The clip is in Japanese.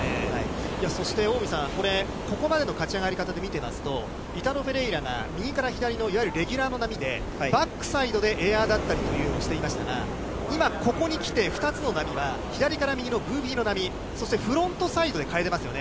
そして、近江さん、これ、ここまでの勝ち上がり方で見てますと、イタロ・フェレイラが右から左のいわゆるレギュラーの波でバックサイドでエアーだったりというのをしていましたが、今ここに来て、２つの波は、左から右のそしてフロントサイドに変えていますよね。